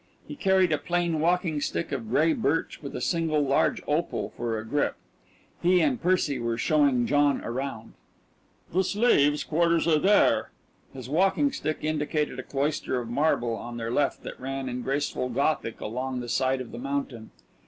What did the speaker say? He carried a plain walking stick of gray birch with a single large opal for a grip. He and Percy were showing John around. "The slaves' quarters are there." His walking stick indicated a cloister of marble on their left that ran in graceful Gothic along the side of the mountain.